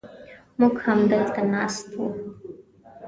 موږ همدلته ناست و.